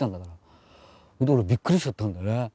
俺びっくりしちゃったんだよね。